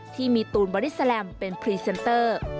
ที่มีตูนบริษัทเป็นพรีเซนเตอร์